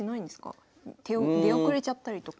出遅れちゃったりとか。